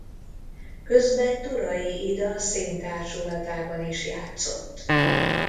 Közben Turay Ida Színtársulatában is játszott.